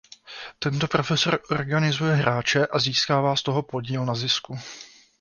Tento profesor organizuje hráče a získává z toho podíl na zisku.